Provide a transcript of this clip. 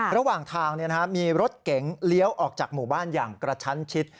ระหว่างทางมีรถเก๋งเลี้ยวออกจากหมู่บ้านอย่างกระชั้นชิด